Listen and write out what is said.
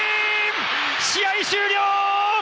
試合終了！